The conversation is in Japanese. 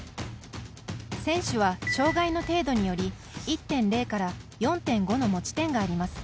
選手は、障がいの程度により１．０４．５の持ち点があります。